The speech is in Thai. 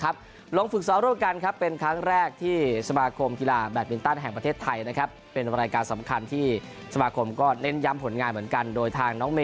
ผลงานของนักแบต